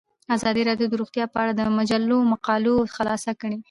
ازادي راډیو د روغتیا په اړه د مجلو مقالو خلاصه کړې.